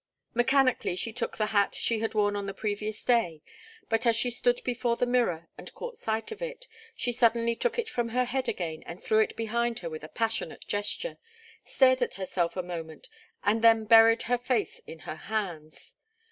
Mechanically she took the hat she had worn on the previous day, but as she stood before the mirror and caught sight of it, she suddenly took it from her head again and threw it behind her with a passionate gesture, stared at herself a moment and then buried her face in her hands.